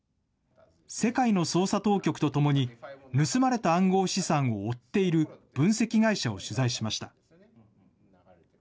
世界の捜査当局とともに、盗まれた暗号資産を追っている分析会社を取材しました。